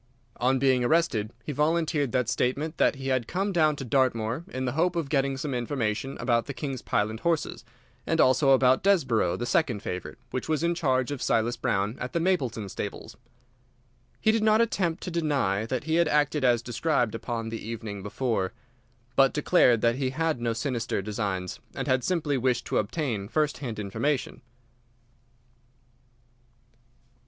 "On being arrested he volunteered the statement that he had come down to Dartmoor in the hope of getting some information about the King's Pyland horses, and also about Desborough, the second favourite, which was in charge of Silas Brown at the Mapleton stables. He did not attempt to deny that he had acted as described upon the evening before, but declared that he had no sinister designs, and had simply wished to obtain first hand information.